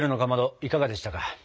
いかがでしたか？